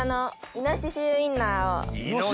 イノシシウインナー。